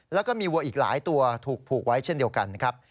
แล้วก็มีวัวอีกหลายตัวถูกผูกไว้เช่นเดียวกันนะครับ